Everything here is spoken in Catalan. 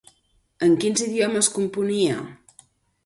En quins idiomes componia?